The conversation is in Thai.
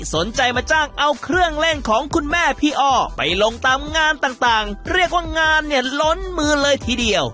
สนใจมาจ้างเอาเครื่องเล่นของคุณแม่พี่อ้อไปลงตามงานต่างต่างเรียกว่างานเนี่ยล้นมือเลยทีเดียว